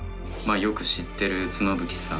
よく知ってる妻夫木さん